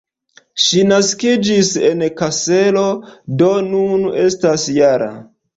Ŝi naskiĝis en Kaselo, do nun estas -jara.